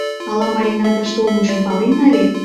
Ала Маринан тыште улмыжым пален нале?